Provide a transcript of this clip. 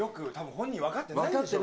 本人分かってないでしょ。